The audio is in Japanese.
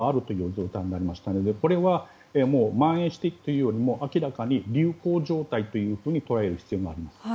どこでも感染し得る感染源があるという状態になりましたのでこれはもうまん延しているというよりも明らかに流行状態と捉える必要があります。